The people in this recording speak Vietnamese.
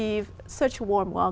việt nam đã là